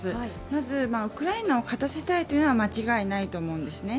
まず、ウクライナを勝たせたいというのは間違いないと思うんですね。